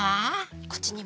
こっちにも。